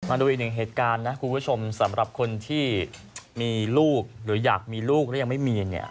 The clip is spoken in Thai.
มาดูอีกหนึ่งเหตุการณ์นะคุณผู้ชมสำหรับคนที่มีลูกหรืออยากมีลูกแล้วยังไม่มีเนี่ย